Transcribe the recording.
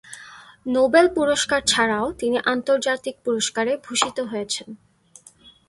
Nobel পুরস্কার ছাড়াও তিনি আন্তর্জাতিক পুরস্কারে ভূষিত হয়েছেন।